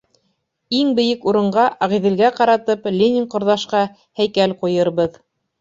Иң бейек урынға, Ағиҙелгә ҡаратып, Ленин ҡорҙашҡа һәйкәл ҡуйырбыҙ.